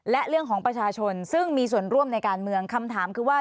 และเรื่องของประชาชนซึ่งมีส่วนร่วมในการเมืองคำถามคือว่า